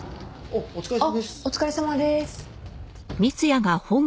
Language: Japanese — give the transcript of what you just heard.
お疲れさまです。